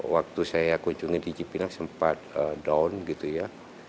waktu saya kunjungi di cipinang sempat down gitu ya